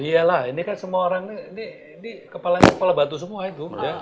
iya lah ini kan semua orang ini kepalanya kepala batu semua itu